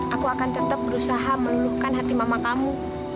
aku akan tetap berusaha meluluhkan hati mama kamu